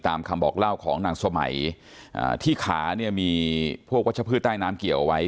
คำบอกเล่าของนางสมัยอ่าที่ขาเนี่ยมีพวกวัชพืชใต้น้ำเกี่ยวเอาไว้